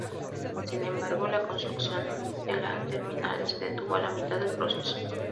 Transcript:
Sin embargo, la construcción de la terminal se detuvo a la mitad del proceso.